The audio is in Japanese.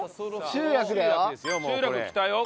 集落来たよ。